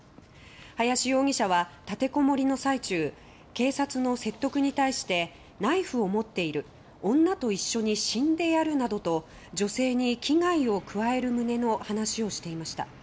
林容疑者は、立てこもりの最中警察の説得に対してナイフを持っている女と一緒に死んでやるなどと女性に危害を加える旨の話をしていました。